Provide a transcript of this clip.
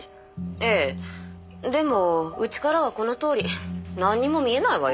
ええでもうちからはこのとおりなんにも見えないわよ。